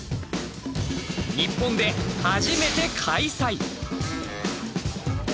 日本で初めて開催。